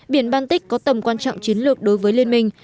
biển baltic có tầm quan trọng chiến lược đối với liên minh